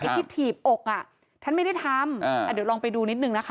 ที่ถีบอกอ่ะท่านไม่ได้ทำเดี๋ยวลองไปดูนิดนึงนะคะ